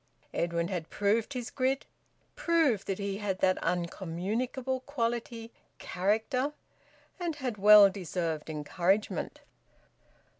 Edwin had proved his grit, proved that he had that uncommunicable quality, `character,' and had well deserved encouragement.